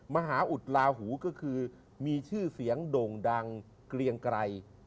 มหาอุดลาหูก็คือมีชื่อเสียงโด่งดังเกลียงไกร